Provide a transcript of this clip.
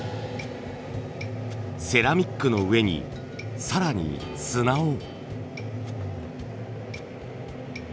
セラミックの上に更に砂を。